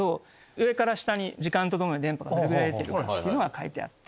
上から下に時間と共に電波がどれぐらい出てるか書いてあって。